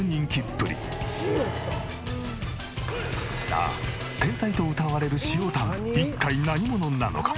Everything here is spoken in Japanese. さあ天才とうたわれるしおたん一体何者なのか？